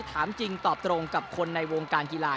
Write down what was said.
ถามจริงตอบตรงกับคนในวงการกีฬา